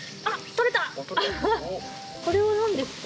これは何ですか？